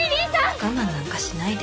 我慢なんかしないで。